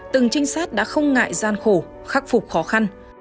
từng trinh sát đã không ngại gian khổ khắc phục khó khăn